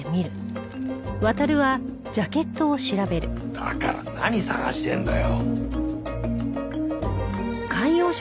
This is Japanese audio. だから何捜してんだよ？